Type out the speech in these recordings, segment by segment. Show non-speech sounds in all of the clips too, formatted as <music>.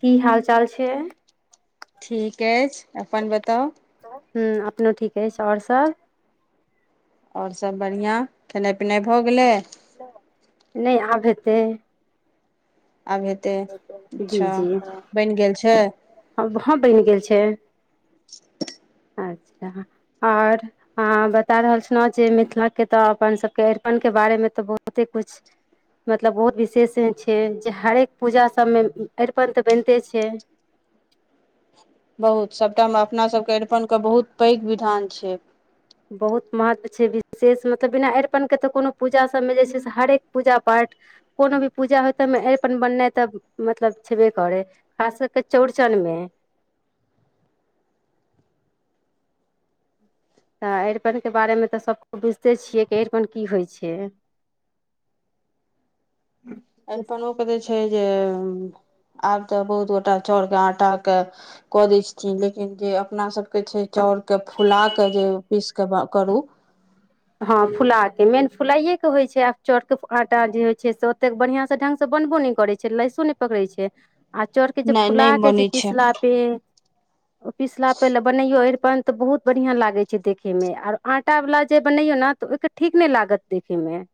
की हाल चाल छैय ठीक अछि अपन बताउ हू अपनो ठीके अईछ आओर सब आओर सभ बढ़िआँ खेनाइ पिनाइ भऽ गेलै नहि आब हेतै आब हेतै जी अच्छा जी बनि गेल छै हाँ बनि गेल छै <inaudible> अच्छा और बता रहल छलहुँ जे मिथिला के तऽ अपन सबके अरिपन के बारे मे तऽ बहुते कुछ मतलब बहुत विशेष छै जे हरेक पूजा सभमे अरिपन तऽ बनिते छै बहुत सभटामे अपनासभके अरिपनके बहुत पैघ विधान छै बहुत महत्व छै विशेष मतलब बिना अरिपनके तऽ कोनो पूजा सबमे जे छै से हरेक पूजा पाठ कोनो भी पूजा हो बन तऽ मतलब छेबे करै खास कर चौर जनमे तऽ अरिपनके बारेमे तऽ सभक बुझिते छियै कि अरिपन की होइ छै <inaudible> अरिप ओ क छै जे आब तऽ बहुत गोटा चाउरके आटा के कऽ दै छथिन लेकिन जे अपना सबके छै चाउर के फुला के जे पीस के करू ह हँ फुला के मेन फुलाइए के होइ छै आब चरके आटा जे होइ छै से ओतेक बढ़िआं से ढंग से बनबो नहि करै छैय लैसो नहि पकड़े छैय आ चोर के जे नहि फुला नहि के जे बनै छै पीसला पे ओ पिसला पे ले बनैयो तऽ बहुत बढ़िया लागे छैय देखे में और आटा वाला जे बनैयो ने तऽ ओहिके ठीक नहि लागत देखै मे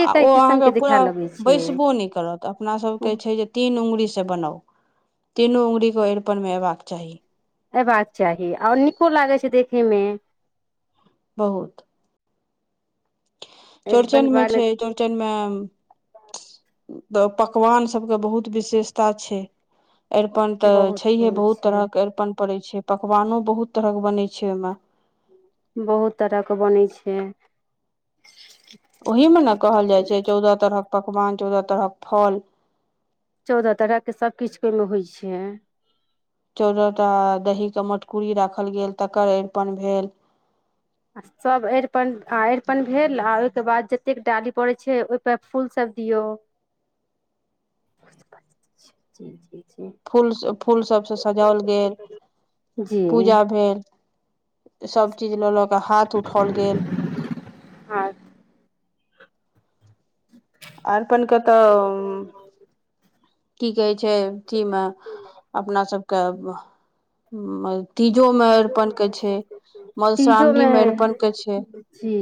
आ ओ अहाँके पूरा छै बैसबो नहि करत अपनासभके छैय जे तीन अङ्गुरसँ बनाउ। <inaudible> तीनू उंगुरीे अरिपन मे अयबाक चाही। अबाक चाही आओर नीको लागै छैय देखेमे बहुत अरिपनके चौड़चनमे छैय बारेमे चौड़चनमे तऽ पकवान सभके बहुत विशेषता छैय। अरिपन तऽ बहुत छैहे भूल बहुत छै तरहक अरिपन पड़ैत छैय पकवानो बहुत तरहक बनै छैय ओहिमे। बहुत तरहके बनै छैय। ओहीमे ने कहल जाइ छैय चौदह तरहक पकवान चौदह तरहक फल चौदह तरहके सभकिछुके ओहिमे होइ छैय। चौदह टा दहीके मटकूरी राखल गेल तकर अरिपन भेल आ सभ अरिपन आ अरिपन भेल आ ओहिके बाद जतेक डाली पड़ैत छैय ओहिपर फूल सभ दियो फूल फूल सभसँ सजाओल गेल जी पूजा भेल सभ चीज लऽ ल कऽ हाथ उठाओल गेल आ आहिपन क तऽ की कहै छैय अथीमे अपना सभके तीजोमे अरिपनके छैय तीजोमे मधुश्रावणीमे अरिपनके छैय। जी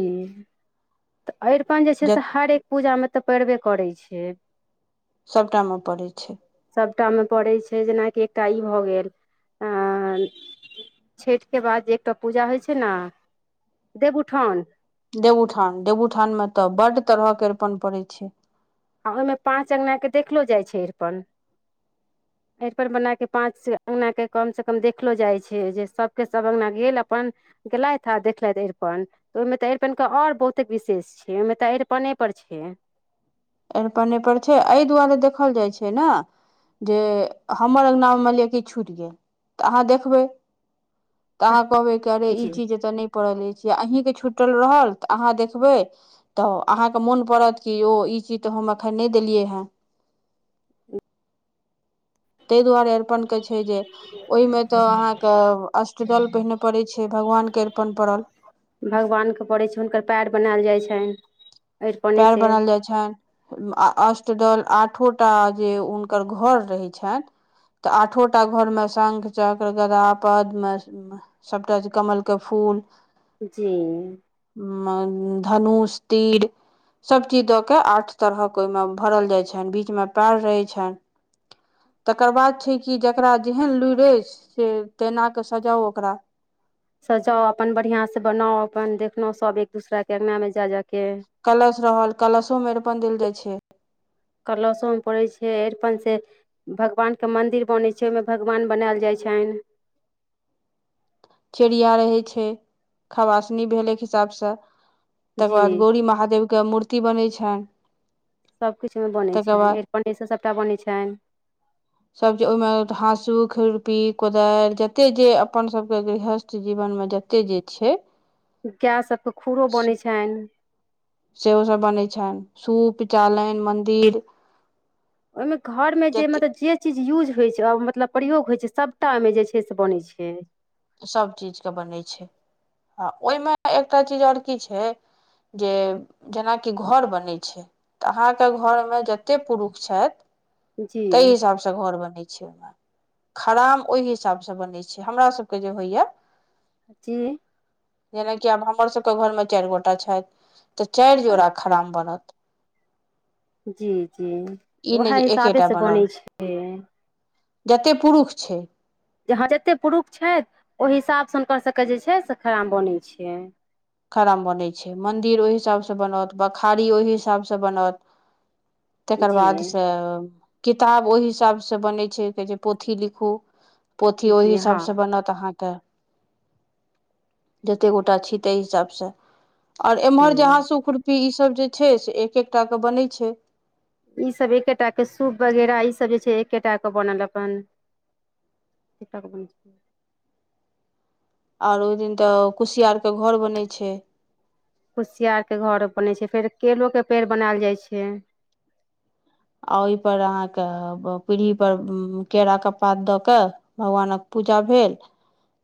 तऽ अरिपन जे छैय ज से हर एक पूजामे तऽ पइड़बे करै छैय। सभटामे पड़ैत छैय। टा मे पड़ै छैय जेनाकि एकटा ई भ गेल आ छठि के बाद जे एकटा पूजा होइ छैय ना देवउठोन देवउठान देवउठानमे तऽ बड्ड तरहके अरिपन पड़ै छैय। आ ओहिमे पाँच अङंगनाके देखलो जाइ छैय अरपन। अरिपन बना केँ पांच से अंगना के कम से कम देखलो जाइ छै जे सभके सभ अंगना गेल अपन गेलथि आ देखलथि अरिपन ओहिमे तऽ अरिपनके आओर बहुते विशेष छै ओहिमे तऽ अरिपने पर छै <inaudible> अरिपनेपर छैय एहि दुआरे देखल जाइ छैय ना जे हमर अङ्गनामे मानि लिअ कि छूटि गेल तऽ अहाँ देखबै त अहा कहबै क अरे ई जी चीज तऽ नहि परल अछि अहि छुटल रहल तऽ अहाँ देखबै तऽ अहाँके मोन पड़त कि ओ ई चीज हम अखन नै देलियै हन। द्वारे अरिपन के छैय जे ओहिमे तऽ अहाँके अष्टदल पहिने पड़े छैय भगवान के पन पड़ल भगवान के पड़े छैय हुनकर पैर बना छैन पैर बनाल जाइ छनि अष्ट दल आठ आठोटा जे हुनकर घर रहै छनि तऽ आठो टा घरमे शंख चक्र गदा पदम सभटा कमलके फूल जी धनुष तीर सभ चीज दऽ केऽ आठ तरहक ओहिमे भरल जाइ छनि बीचमे पैर रहै छनि तकर बाद छै कि जकरा जेहन लुड़ि अछि से तेना कऽ सजाउ ओकरा सजाउ अपन बढ़ियां सँ बनाउ अपन देखलहु सभ एक दूसरा के अंगना मे जा जाक कलश रहल कलशो मे अरिपन देल जाइत छै कलशो मे पड़ैत छै अरिपन से भगवान के मंदिर बनै छै ओहिमे भगवान बनायल जाय छै छनि। चिड़िया रहै छै खवासनी भेलै एक हिसाबसँ तकर जी बाद गौरी महादेव केँ मूर्ति बनै छैन सभकिछु मे बनै छनि अरिपनेसँ सभटा बनै छनि सबजे ओहिमे हाँसुक खुरपी कोदारि जते जे अपन सभके गृहस्थ जीवनमे जते जे छै गाय सभके खूरो बनै छनि सेहोसभ बनै छनि सूप चालनि मन्दिर ओहिमे घर मे जे जते मतलब जे चीज यूज होइ छै मतलब प्रयोग होइ छै सभटा ओहिमे जे छै से बनै छै सभ चीजके बनै छै आ ओहिमे एकटा चीज आओर की छै जे जेनाकि घर बनै छै तऽ अहाँके घरमे जते पुरुष छथि जी तहि हिसाबसँ घर बनै छै ओहिमे खराम ओहि हिसाबसँ बनै छै हमरा सभके जे होइया की <inaudible> जेनाकि आब हमर सभ केँ घरमे चारि गोटा छथि तऽ चारि जोड़ा अच्छा खराम अच्छा बनत जी जी ई नहि उएहे जे एकेटा हिसाबेसँ बनल बनैत छै जतेक पुरुष छै जे हँ जतेक पुरुष छथि ओहि हिसाबसँ हुनकर सभके जे छै से खड़ाम बनै छै खड़ाम बनै छै मन्दिर ओहि हिसाबसँ बनत बखारी ओहि हिसाबसँ बनत तकर जी बादसँ किताब ओहि हिसाबसँ बनै छै जे पोथी लिखू पोथी ओहि जी हँ हिसाब से बनत अहाँके जते गोटा छी तै हिसाब सँ आओर जी इम्हर जे हाँसु खुरपी ई सभ जे छै से एक एकटा कऽ बनै छै ईसभ एकेटाके सूप वगैरह ईसभ जे छै एकेटाके बनल अपन सिताके बन छ <inaudible> आओर ओहि दिन तऽ कुसियारकेँ घर बनै छै कुसियारके घर बनै छै फेर केलोके पेड़ बनायल जाइ छै आ ओहिपर अहाँके पीढ़ी पर केरा केँ पात दऽ क भगवानक पूजा भेल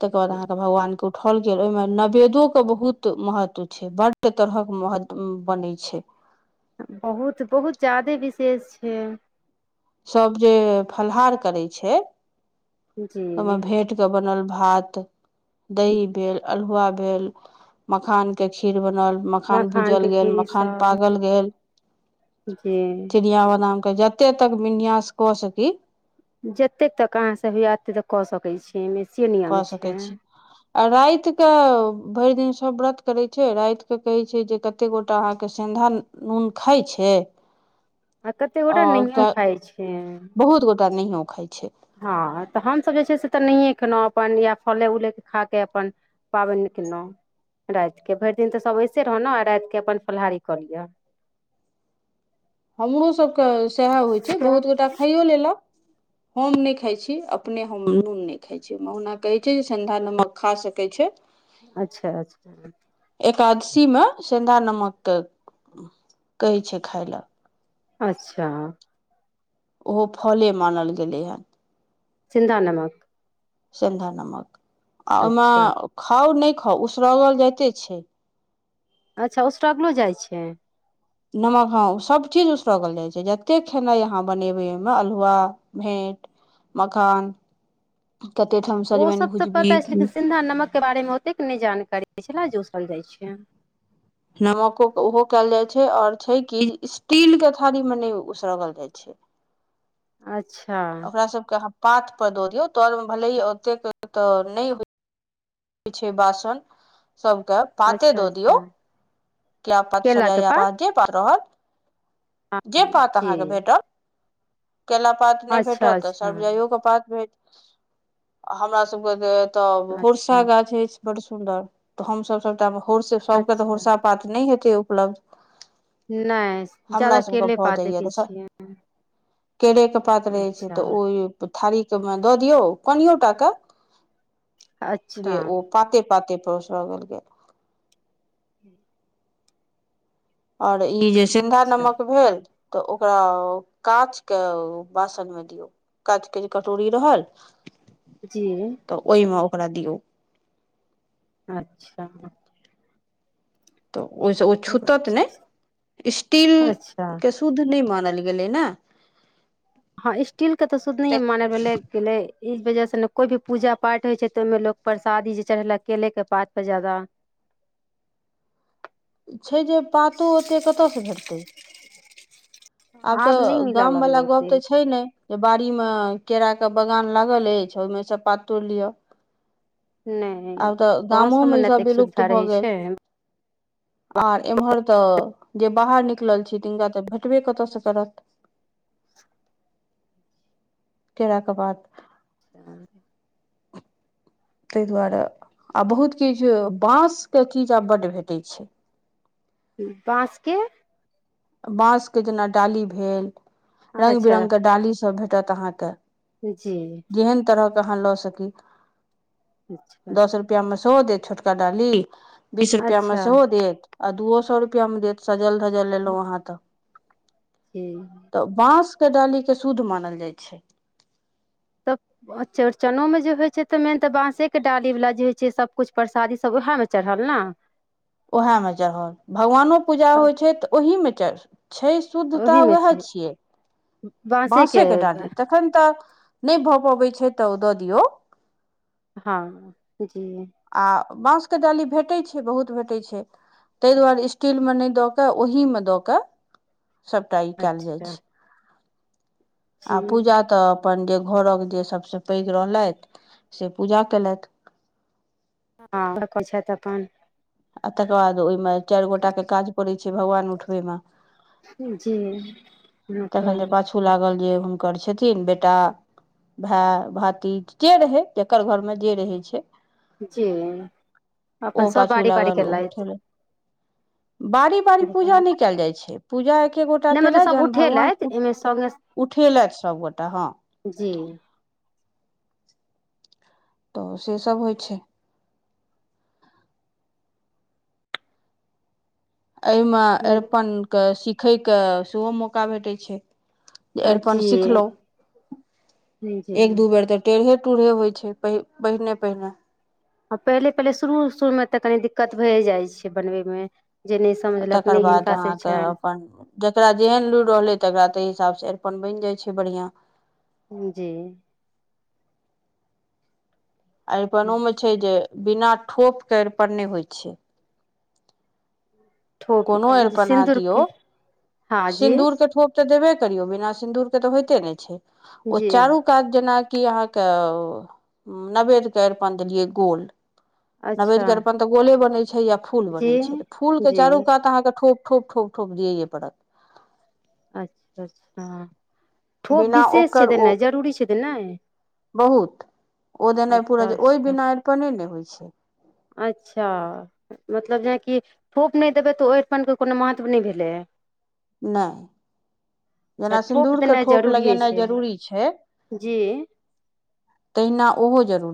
तकर बाद अहाँके भगवान केँ खौल गेल ओहिमे नैवेदोेक बहुत महत्व छै बड्ड तरहक महत्व बनै छै बहुत बहुत ज्यादे विशेष छै सभ जे फलाहार करै छै ओहिमे जी भेट के बनल भात दही भेल अल्हुआ भेल भेल मखान के खीर बनल मखान मखानके भूजल गेल खीरी मखान सब तागल गेल जी के जते तक विन्यास कऽ सकी जतेक तक अहाँसँ होइए एतेक तक कऽ सकै छी एहिमे से नियम कऽ सकै छै छी आ राति के भरि दिन सब व्रत करे छै राति के कहे छै जे कते गोटा अहाँ के सें धा नून खाइ छै आ कतेक गोटा आओर नहींयो खाइ छै बहुत गोटा नहियो खाइ छै हँ तऽ हमसभ जे छै से तऽ नहिए देखलहुँ अपन यैह फले उले के खा के अपन पाबनि केलहुँ रातिकेँ भरि दिन तऽ सभ ऐसे रहलौ आ रातिकेँ अपन फलाहारी कऽ लिय हमरो सभके सएह होइ छै बहुत गोटा खाइयो लेलक हम नहि खाइ छी अपने हम नून नहि खाइत छी ओना कहैत छै जे सिंधा नमक खा सकैत छै अच्छा अच्छा एकादशी मे सेन्धा नमक के कहय छै खाय लेल अच्छा ओहो फले मानल गेलै हन सिंधा नमक सिंधा नमक आ ओमे अच्छा खाउ नहि खाउ उसरगल जाइते छै अच्छा उसरगलो जाइ छै नमक हँं सभ चीज उसरगल जाइ छै जते खेनाइ अहाँ बनेबै ओहिमे अल्हुआ भी मखान कते ठाम ओ सजमनि सब तऽ भुजबी पता छै लेकिन सिन्धा नमक के बारे मे ओतेक नहि जानकारी छलै जे कहल जाइ छै नमको ओहो कयल जाइ छै आओर छै कि स्टील के थारी मे नहि उसरगल जाइ छै अ ओकरा सबके अहाँ पात पर दऽ दियौ तौर मे भलेही ओतेक तऽ नहि होइ पीछे बासन सबके पाते अच्छा दो दियौ अच्छा किया प केला के पात <unintelligible> जे हँ पात जी अहाँकेँ भेटत केला पात नहि अच्छा भेटत तऽ अच्छा संजाइयो के पात भेट हमरा सबके तऽ तब अच्छा होरसा गाछ अछि बड़ सुन्दर तऽ हम सब सबटा होड़ से सभके तऽ अच्छा हुरसा पात नहि हेतै उपलब्ध नहि हमरा जादा सभके केले भऽ पात जाइए देखै तऽ छियै केरेके पात रहय छै अच्छा तऽ ओ थारीके मे दऽ दियौ कोनिओ टा के जे अच्छा ओ पाते पाते पर उसरगल गेल <unintelligible> आओर ई जे सिन्धा अच्छा नमक भेल तऽ ओकरा काँचके बासन मे दियौ काँचके जे कटोरी रहल जी तऽ ओहिमे ओकरा दिऔ अच्छा तऽ ओहि से ओ छुतत ने स्टील अच्छा के शुद्ध नहि मानल गेलै न हँ स्टील के तऽ शुध नहि मानल गेलै ई वजह से ने कोइ भी पूजा पाठ होइ छै तऽ ओहिमे लग परसादी जे चढ़ेलक केले के पात पर ज्यादा <inaudible> छै जे पातो ओते कतसँ भेटतै आब तऽ नहि मिलऽ लगलै गामवला गप ओतेक तऽ छै ने जे बाड़ी मे केराक के बगान लागल अछि ओहिमेसँ पात तोड़ि लिअ नहि आब तऽ गाँव गामोमे सबमे ई ने सभ एतेक विलुप्त सुविधा भऽ रहै गेल छै आर एम्हर तऽ जे बाहर निकलल छै तिनका तऽ भेटबे कतयसँ करत <inaudible> केड़ा के बाद तहि दुआरे आ बहुत किछु बाँसके चीज आब बड्ड भेटै छै बाँसके बाँसके जेना डाली भेल र्ंग अच्छा बिरंगके डालीसभ भेटत अहाँके जी कहाँ लऽ सकी अच्छा दस अच्छा रुपया मे सेहो देत छोटका डाली बीस रुपआ मे अच्छा सेहो देत आ दूओ सए रुपआ मे देत सजल धजल लेलहुँ अहाँ तऽ जी तऽ बाँसके डालीके शुद्ध मानल जाइ छै तऽ चौड़चनो मे जे होइ छै तऽ मेन तऽ बांसे के डाली वाला जे छै सबकुछ परसादी सब उहै में चढ़ल न उएहमे चढ़ल भगवानो पूजा सब होइ छै तऽ ओहीमे चढ़ छै शुद्धताऽ ओहीमे उएह छै छियै बाँसेके डाली तखन तऽ नहि भऽ पबैत छै तऽ ओ दऽ दियौ हँ जी आ बाँसके डाली भेटय छै बहुत भेटय छै तहि दुआरे स्टीलमे नहि दऽ कऽ ओहीमे दऽ कऽ सभटा ई कयल जाइत अच्छा छै जी आ पूजा तऽ अपन जे घरक जे सभसँ पैघ रहलथि से पूजा कैलथ हँ घर पर छथि अपन आ तकर बाद ओहिमे चारि गोटा के काज पड़े छै भगवान उठबे में जी तखन जे उठबैय पाछू मे लागल जे हुनकर छथिन बेटा भाय भाती जे रहय जकर घरमे जे रहय छै जी अपन सब बारी बारी अगर उ उठलै बारी बारी केलथि पूजा नहि कयल जाइ छै पूजा एके गोटा नहि मतलब केलथि सभ जहन भगवान उठेलथि एहिमे सङ्गे उठेलथि सभगोटा हँ जी तऽ से सभ होइ छै एहिमे अरिपनके सीखयके सेहो मौका भेटय छै जे अरिपन सिखलहु जी जी एक दू बेर तऽ टेढ़े टूढ़े होइ छै प पहिने पहिने आ पहिले पहिले शुरू शुरूमे तऽ कनी दिक्कत भए जाइत छै बनबैमे जे नहि समझलक तकर नहि बाद हिनका से अहाँके छनि अपन जकरा जेहन लूरि रहलै तकरा ताहि हिसाबसँ अरिपन बनि जाइ छै बढ़िआँ जी अरिपन ओमे छै जे बिना ठोपके अरिपन नहि होइ छै ठोप कोनो अरिपन अहाँ दियौ सिन्दूरके हँ जी सिन्दूरके ठोप तऽ देबे करियौ बिना सिन्दूरके तऽ होइते नहि छै ओ जी चारु काज जेना की अहाँके नवेद्यके अरिपन देलियै गोल अच्छा नवेद्यकेँ अरिपण तऽ गोले बनैत छै या फूल जी बनैत छै तऽ फूल के जी चारू कात अहाँके ठोप ठोप ठोप ठोक दियैये पड़त अच्छा अच्छा ठोप बिना विशेष छै ओकर ओ देनाइ जरूरी छै देनाइ बहुत ओ देनाइ पूरा अच्छा छै ओहि अच्छा बिना अरिपने ने होइ छै अच्छा मतलब जेनाकि थोप नहि देबै तऽ ओ अरिपनके कोनो महत्व नहि भेलै नहि अच्छा जेना ठोप सिन्दूरके देनाइ ठोप जरूरिए लगेनाइ छै जरूरी छै जी तहिना ओहो जरूरी